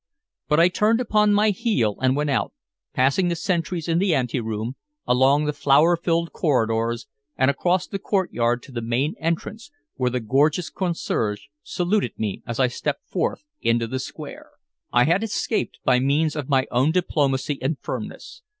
But I turned upon my heel and went out, passing the sentries in the ante room, along the flower filled corridors and across the courtyard to the main entrance where the gorgeous concierge saluted me as I stepped forth into the square. I had escaped by means of my own diplomacy and firmness.